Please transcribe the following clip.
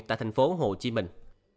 tại thành phố hồ chí minh